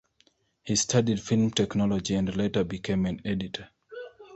He studied film technology and later became an editor.